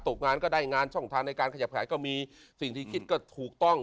ตกงานก็ได้งานช่องทางในการขยับขายก็มีสิ่งที่คิดก็ถูกต้อง